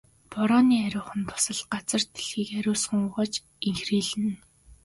Борооны ариухан дусал газар дэлхийг ариусган угааж энхрийлнэ.